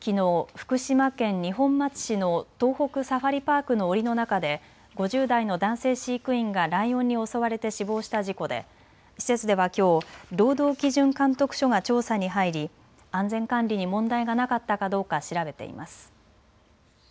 福島県二本松市の東北サファリパークのおりの中で５０代の男性飼育員がライオンに襲われて死亡した事故で施設ではきょう労働基準監督署が調査に入り、安全管理に問題がなかったかどうか調べています。